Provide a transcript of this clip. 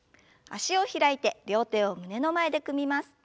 脚を開いて両手を胸の前で組みます。